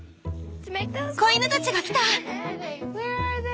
子犬たちが来た！